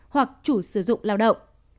hoặc chủ sử dụng lao động